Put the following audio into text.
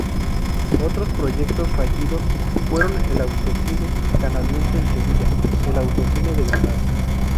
Otros proyectos fallidos fueron el autocine Canadiense en Sevilla, el autocine de Granada.